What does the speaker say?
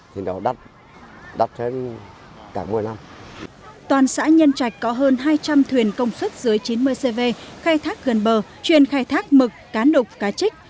toàn xã nhân trạch có hơn hai trăm linh thuyền công suất dưới chín mươi cv khai thác gần bờ chuyên khai thác mực cá nục cá trích